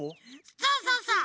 そうそうそう！